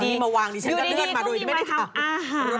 อันนี้มาวางหนิฉันก็เลือดมาโดยยิ่งไม่ได้ขาว